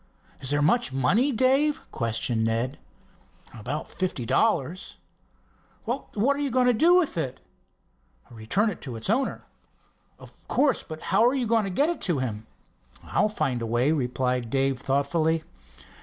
"Is there much money, Dave?" questioned Ned. "About fifty dollars." "What are you going to do with it?" "Return it to the owner." "Of course, but how are you going to get it to him?" "I'll find a way," replied Dave thoughtfully.